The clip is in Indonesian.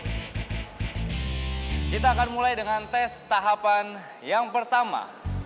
kita akan mulai dengan tes tahapan yang pertama